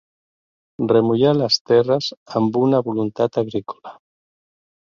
Remullar les terres amb una voluntat agrícola.